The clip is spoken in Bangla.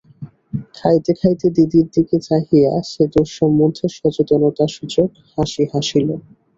খাইতে খাইতে দিদির দিকে চাহিয়া সে দোষ সম্বন্ধে সচেতনতাসূচক হাসি হাসিল।